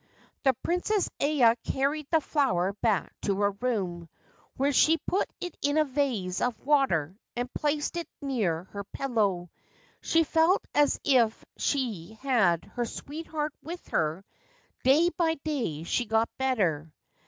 The Princess Aya carried the flower back to her room, where she put it in a vase of water and placed it near her pillow. She felt as if she had her sweetheart with her. Day by day she got better.